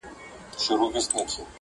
و تاسو ته يې سپين مخ لارښوونکی، د ژوند,